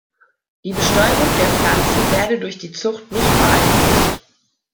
Die Bestäubung der Pflanzen werde durch die Zucht nicht beeinflusst.